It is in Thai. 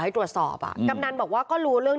เธออยากขอร้อง